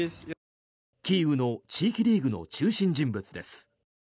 キーウの地域リーグの中心人物です。